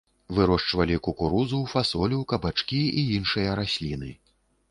Вырошчвалі кукурузу, фасолю, кабачкі і іншыя расліны.